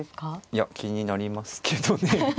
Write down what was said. いや気になりますけどね。